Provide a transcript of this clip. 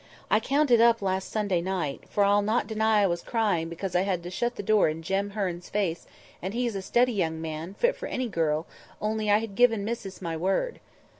I counted up last Sunday night—for I'll not deny I was crying because I had to shut the door in Jem Hearn's face, and he's a steady young man, fit for any girl; only I had given missus my word."